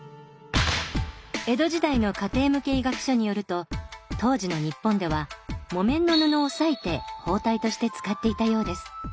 江戸時代の家庭向け医学書によると当時の日本では木綿の布を裂いて包帯として使っていたようです。